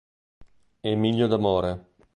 Emilio D'Amore